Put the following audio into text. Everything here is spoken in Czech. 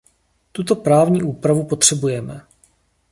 Tuto právní úpravu potřebujeme.